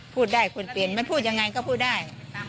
พูดได้ควรเปลี่ยนไม่พูดยังไงก็พูดได้